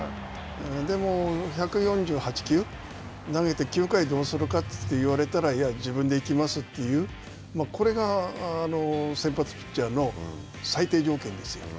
でも、１４８球、投げて９回どうするかと言われたら、自分で行きますというこれが先発ピッチャーの最低条件ですよ。